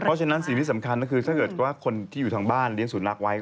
เพราะฉะนั้นสิ่งที่สำคัญถ้าคนที่อยู่ทางบ้านเลี้ยงสุนัขไว้